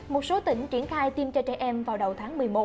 một số tỉnh triển khai tiêm cho trẻ em vào đầu tháng một mươi một